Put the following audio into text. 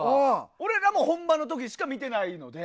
俺らも本番の時しか見てないので。